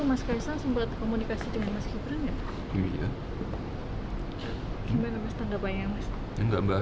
mas gaisang sempat komunikasi dengan mas gibran ya